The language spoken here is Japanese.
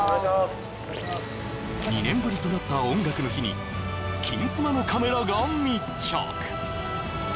２年ぶりとなった「音楽の日」に「金スマ」のカメラが密着！